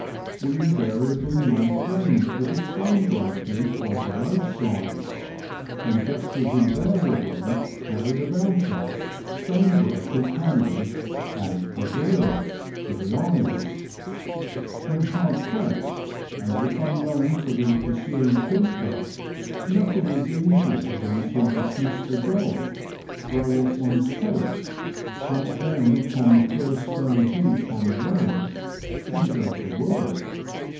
We invariably made friends with the stone breakers by the road sides, and just as in variably carried about us stone breakers' hammers, and ^' preserves " for the eyes. When hard pressed, and if unknown to the pursuing keeper, nothing is easier than to dis The Confessions of a Poacher. 147 miss the dog, throw off one's coat, plump down upon the first stone heap on the road^ and go to work.